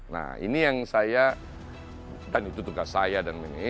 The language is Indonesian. nah ini yang saya dan itu tugas saya dan ini